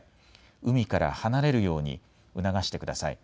海から離れるように促してください。